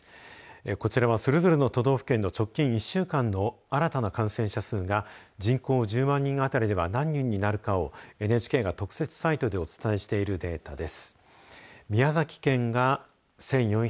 こちらはそれぞれの都道府県の直近１週間の新たな感染者数が人口１０万人当たりでは何人になるかをＮＨＫが特設サイトでお伝えしているデータです。